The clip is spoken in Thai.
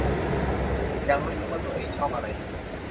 ยังไม่รู้ว่าตัวเองชอบอะไรเลย